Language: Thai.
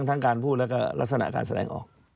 ทั้งการพูดแล้วก็ลักษณะการแสดงออก